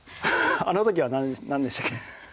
あの時は何でしたっけ？